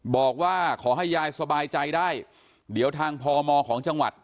บอกว่าขอให้ยายสบายใจได้เดี๋ยวทางพมของจังหวัด